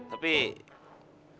dia udah kabur udah pulang